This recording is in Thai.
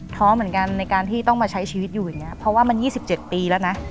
ท้อเหมือนกันในการที่ต้องมาใช้ชีวิตอยู่อย่างนี้เพราะว่ามัน๒๗ปีแล้วนะ